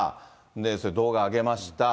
それ動画上げました。